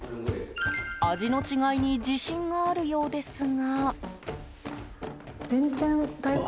味の違いに自信があるようですが。